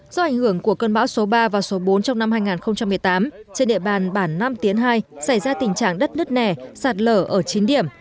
do ảnh hưởng của cơn bão số ba và số bốn trong năm hai nghìn một mươi tám trên địa bàn bản năm tiến hai xảy ra tình trạng đất nứt nẻ sạt lở ở chín điểm